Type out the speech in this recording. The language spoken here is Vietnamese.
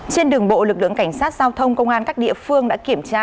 trên đường bộ lực lượng cảnh sát giao thông công an các địa phương đã kiểm tra